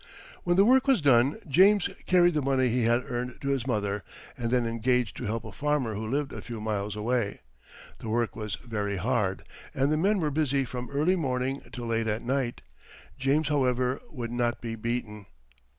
When the work was done, James carried the money he had earned to his mother, and then engaged to help a farmer who lived a few miles away. The work was very hard, and the men were busy from early morning till late at night. James, however, would not be beaten.